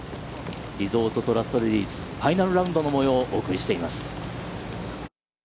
リゾートトラストレディス、ファイナルラウンドの模様をお送りしています。